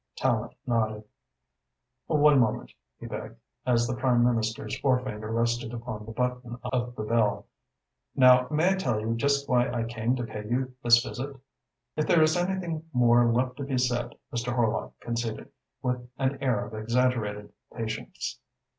Tallente nodded. "One moment," he begged, as the Prime Minister's forefinger rested upon the button of the bell. "Now may I tell you just why I came to pay you this visit?" "If there is anything more left to be said," Mr. Horlock conceded, with an air of exaggerated patience.